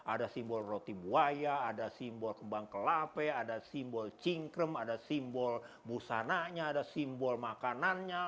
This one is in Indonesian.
ada simbol roti buaya ada simbol kembang kelape ada simbol cingkrem ada simbol busananya ada simbol makanannya